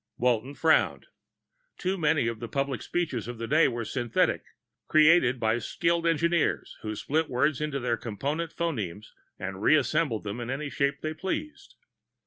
Walton frowned. Too many of the public speeches of the day were synthetic, created by skilled engineers who split words into their component phonemes and reassembled them in any shape they pleased.